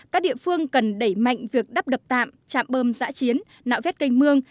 các địa phương cần đẩy mạnh việc đắp đập tạm chạm bơm giã chiến nạo vét cây mương